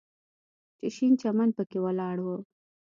چې شين چمن پکښې ولاړ و.